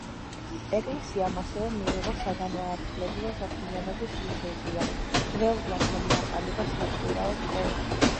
ეკლესიამ ასევე მიიღო საგანმანათლებლო საქმიანობის ლიცენზია, მრევლმა ჩამოაყალიბა საკვირაო სკოლა.